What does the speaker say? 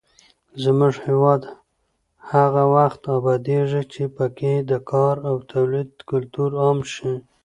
زموږ هېواد هغه وخت ابادېږي چې پکې د کار او تولید کلتور عام شي.